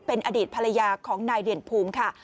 เป็นอดีตภรรยาของนายเด่นภูมิค่ะ